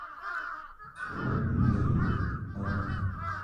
Absolvoval gymnázium v Hradci Králové.